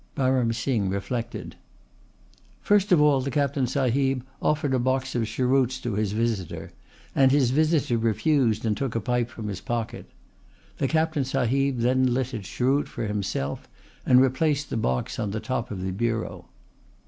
Baram Singh reflected. "First of all the Captain sahib offered a box of cheroots to his visitor, and his visitor refused and took a pipe from his pocket. The Captain sahib then lit a cheroot for himself and replaced the box on the top of the bureau."